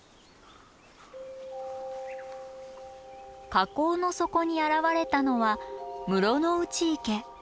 火口の底に現れたのは室ノ内池。